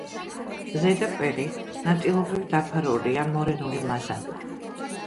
ზედაპირი ნაწილობრივ დაფარულია მორენული მასალით.